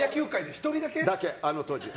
１人だけ、あの当時。